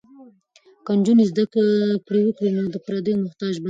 که نجونې زده کړې وکړي نو د پردیو محتاج به نه وي.